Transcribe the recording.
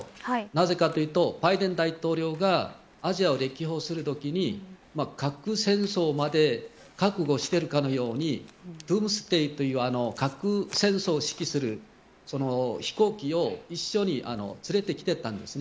なぜかというとバイデン大統領がアジアを歴訪するときに核戦争まで覚悟しているかのようにトゥームステイという核戦争を指揮する飛行機を一緒に連れてきたんです。